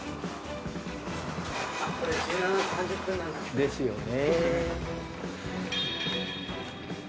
ですよね。